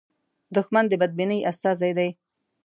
دښمن د بدبینۍ استازی دی